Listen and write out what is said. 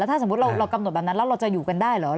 ถ้าสมมุติเรากำหนดแบบนั้นแล้วเราจะอยู่กันได้เหรอ